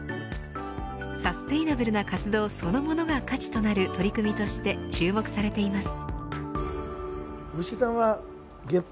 サステイナブルな活動そのものが価値となる取り組みとして注目されています。